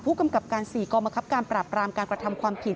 ผู้กำกับการศรีกรมคับการปรับปรามการกระทำความผิด